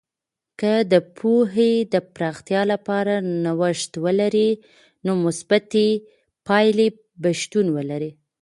که د پوهې د پراختیا لپاره نوښت ولرئ، نو مثبتې پایلې به شتون ولري.